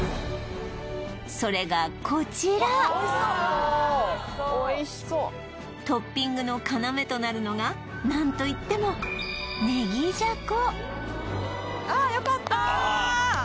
それがこちらトッピングの要となるのが何といってもああよかったーああー！